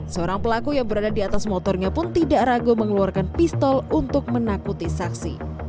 seorang pelaku yang berada di atas motornya pun tidak ragu mengeluarkan pistol untuk menakuti saksi